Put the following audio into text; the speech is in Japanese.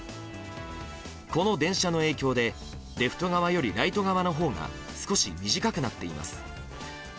この電車の影響でレフト側よりライト側のほうが少し短くなっています。